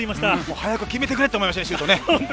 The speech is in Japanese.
早く決めてくれ！と思ってましたよ。